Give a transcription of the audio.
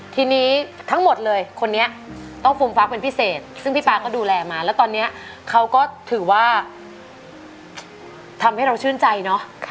ทีนี้ทั้งหมดเลยคนนี้ต้องฟูมฟักเป็นพิเศษซึ่งพี่ป๊าก็ดูแลมาแล้วตอนนี้เขาก็ถือว่าทำให้เราชื่นใจเนอะ